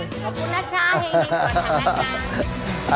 ขอบคุณนะคะเฮ้ยตัวทางนะคะ